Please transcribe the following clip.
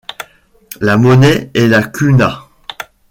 La monnaie est la kuna.